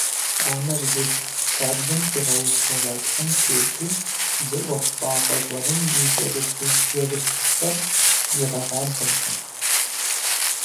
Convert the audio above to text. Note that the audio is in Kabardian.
Къанэр зыщ - хабзэм къигъэув мардэхэм тету зы ӀуэхущӀапӀэ гуэрым и кӀэрыхубжьэрыхухэр игъэкъабзэркъым!